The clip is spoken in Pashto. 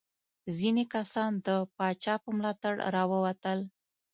ځینې کسان د پاچا په ملاتړ راووتل.